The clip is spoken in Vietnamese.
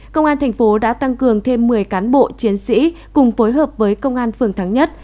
công an thành phố đã tăng cường thêm một mươi cán bộ chiến sĩ cùng phối hợp với công an phường thắng nhất